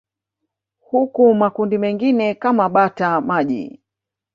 Huku makundi mengine kama bata maji